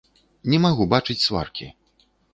Не магу бачыць сваркі.